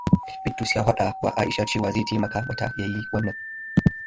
Bitrus ya fadawa Aisha cewa zai taimaka mata ya yi wannan.